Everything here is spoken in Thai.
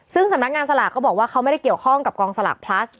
ซึ่งสำนักงานสลากก็บอกว่าเขาไม่ได้เกี่ยวข้องกับกองสลากพลัส